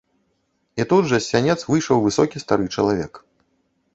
І тут жа з сянец выйшаў высокі стары чалавек.